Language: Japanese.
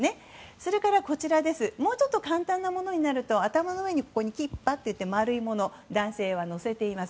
それからもうちょっと簡単なものになると頭の上にキッパというものを男性は載せています。